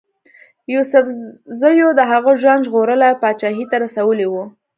یوسفزیو د هغه ژوند ژغورلی او پاچهي ته رسولی وو.